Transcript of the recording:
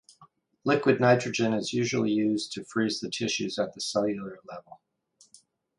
Liquid nitrogen is usually used to freeze the tissues at the cellular level.